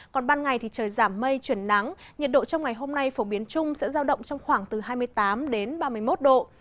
còn ban ngày thì trời giảm mây chuyển nắng nhiệt độ trong ngày hôm nay phổ biến chung sẽ giao động trong khoảng từ hai mươi tám đến ba mươi một độ